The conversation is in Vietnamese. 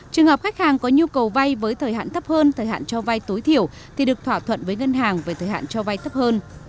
trường hợp khách hàng có nhu cầu vay với thời hạn thấp hơn thời hạn cho vay tối thiểu thì được thỏa thuận với ngân hàng về thời hạn cho vay thấp hơn